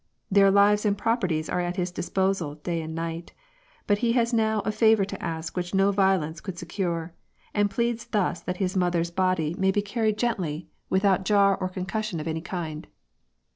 Their lives and properties are at his disposal day and night ; but he has now a favour to ask which no violence could secure, and pleads thus that his mother's body may be 174 FUNERALS. carried gently, without jar or concussion of any kind.